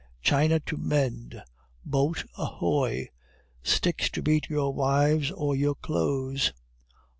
"China to mend!" "Boat ahoy!" "Sticks to beat your wives or your clothes!"